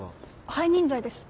背任罪です。